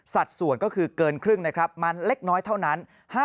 สัดส่วนก็คือเกินครึ่งมาเล็กน้อยเท่านั้น๕๑๔๒